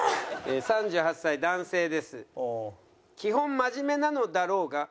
３８歳男性です。